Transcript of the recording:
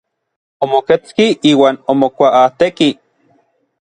Omoketski iuan omokuaatekij.